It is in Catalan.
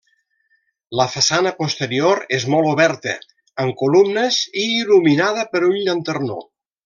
La façana posterior és molt oberta, amb columnes i il·luminada per un llanternó.